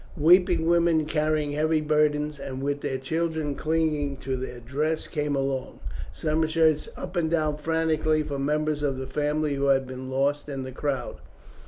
Weeping women carrying heavy burdens and with their children clinging to their dress came along. Some searched up and down frantically for members of the family who had been lost in the crowd.